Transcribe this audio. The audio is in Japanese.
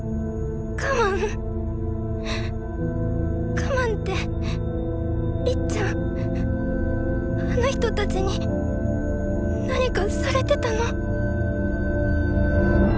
我慢ってりっちゃんあの人たちに何かされてたの？